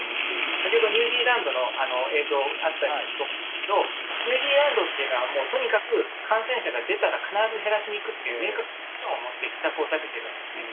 先ほどニュージーランドの映像、あったと思うんですけれども、ニュージーランドっていうのは、もう、とにかく感染者が出たら必ず減らしにいくっていう明確なビジョンを持って、施策を立ててるわけですね。